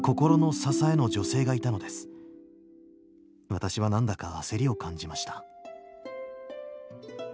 私は何だか焦りを感じました